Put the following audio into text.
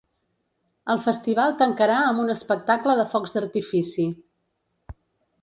El festival tancarà amb un espectacle de focs d’artifici.